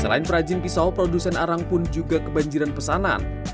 selain perajin pisau produsen arang pun juga kebanjiran pesanan